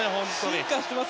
進化しています